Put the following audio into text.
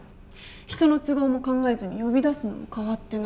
人の都合も考えずに呼び出すのも変わってない。